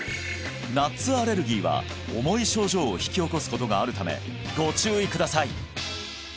ナッツアレルギーは重い症状を引き起こすことがあるためご注意ください